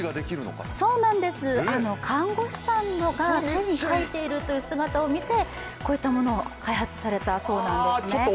看護師さんが手に書いている姿を見てこういったものを開発されたそうなんです。